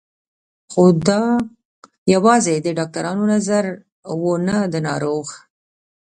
خو دا یوازې د ډاکترانو نظر و نه د ناروغ